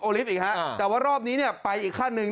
ลิฟต์อีกฮะแต่ว่ารอบนี้เนี่ยไปอีกขั้นหนึ่ง